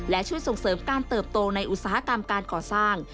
และช่วยส่งเสริมการเติบโตในอุตสาหกรรมการก่อสร้าง